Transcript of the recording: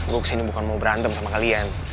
gue kesini bukan mau berantem sama kalian